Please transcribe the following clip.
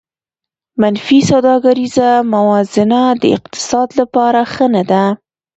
منفي سوداګریزه موازنه د اقتصاد لپاره ښه نه ده